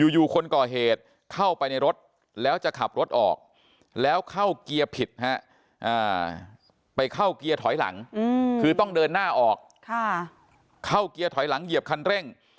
อยู่คนก่อเหตุเข้าไปในรถแล้วจะขับรถออกแล้วเข้าเกียร์ผิดไปเข้าเกียร์ถอยหลังคือต้องเดินหน้าออกเข้าเกียร์ถอยหลังเหยียบคันเร่ง